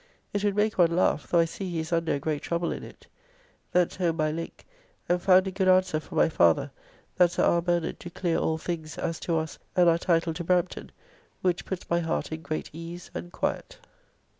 It would make one laugh, though I see he is under a great trouble in it. Thence home by link and found a good answer from my father that Sir R. Bernard do clear all things as to us and our title to Brampton, which puts my heart in great ease and quiet.